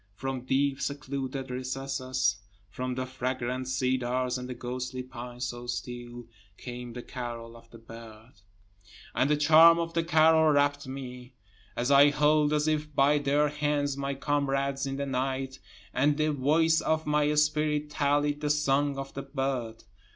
>From deep secluded recesses, >From the fragrant cedars and the ghostly pines so still, Came the carol of the bird. And the charm of the carol rapt me, As I held as if by their hands my comrades in the night, And the voice of my spirit tallied the song of the bird.